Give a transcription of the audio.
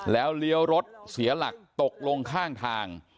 แล้วเลี้ยวรถเสียหลักตกลงข้างทาง